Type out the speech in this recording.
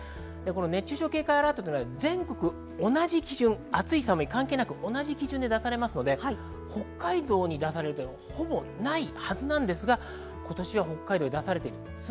熱中症警戒アラートは全国同じ基準、暑い寒い関係なく出されますので、北海道に出されているのは、ほぼないはずなんですが、今年は北海道で出されています。